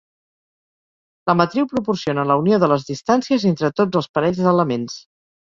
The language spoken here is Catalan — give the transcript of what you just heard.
La matriu proporciona la unió de les distàncies entre tots els parells d'elements.